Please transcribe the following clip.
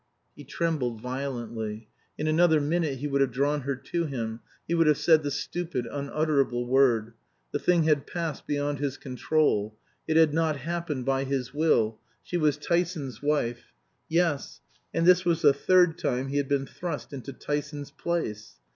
He trembled violently. In another minute he would have drawn her to him; he would have said the stupid, unutterable word. The thing had passed beyond his control. It had not happened by his will. She was Tyson's wife. Yes; and this was the third time he had been thrust into Tyson's place.